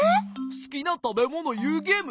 すきなたべものいうゲーム。